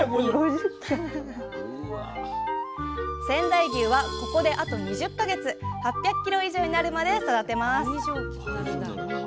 仙台牛はここであと２０か月８００ｋｇ以上になるまで育てます。